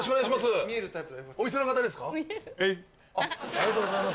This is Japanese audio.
ありがとうございます。